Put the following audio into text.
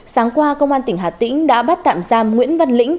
sáng qua công an tỉnh hà tĩnh đã bắt tạm giam nguyễn văn lĩnh